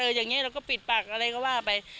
อย่างนี้เราก็ปิดปากอะไรก็ว่าไป